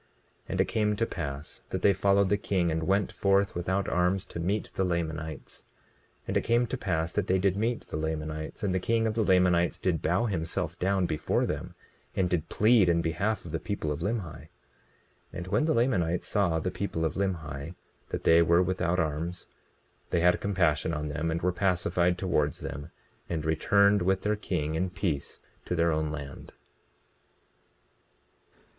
20:25 And it came to pass that they followed the king, and went forth without arms to meet the Lamanites. And it came to pass that they did meet the Lamanites; and the king of the Lamanites did bow himself down before them, and did plead in behalf of the people of Limhi. 20:26 And when the Lamanites saw the people of Limhi, that they were without arms, they had compassion on them and were pacified towards them, and returned with their king in peace to their own land.